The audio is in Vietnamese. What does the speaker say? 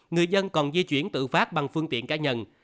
người dân còn di chuyển tự phát bằng phương tiện cá nhân